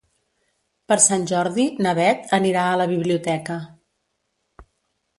Per Sant Jordi na Beth anirà a la biblioteca.